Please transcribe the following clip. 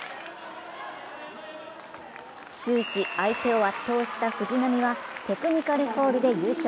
終始相手を圧倒した藤波はテクニカルフォールで優勝。